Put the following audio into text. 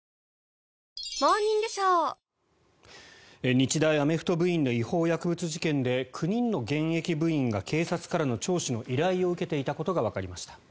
日大アメフト部員の違法薬物事件で９人の現役部員が警察からの聴取の依頼を受けていたことがわかりました。